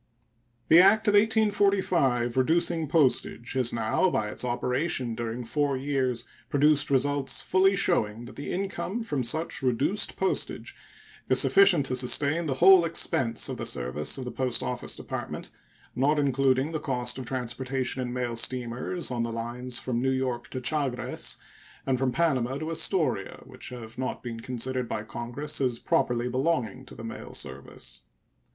The act of 1845 reducing postage has now, by its operation during four years, produced results fully showing that the income from such reduced postage is sufficient to sustain the whole expense of the service of the Post Office Department, not including the cost of transportation in mail steamers on the lines from New York to Chagres and from Panama to Astoria, which have not been considered by Congress as properly belonging to the mail service.